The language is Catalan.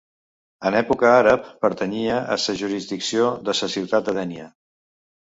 En època àrab pertanyia a sa jurisdicció de sa ciutat de Dénia.